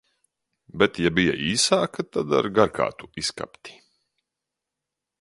Bet ja bija īsāka, tad ar garkātu izkapti.